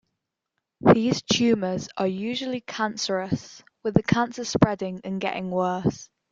These tumors are usually cancerous, with the cancer spreading and getting worse.